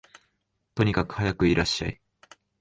とにかくはやくいらっしゃい